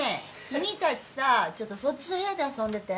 君たちさちょっとそっちの部屋で遊んでて。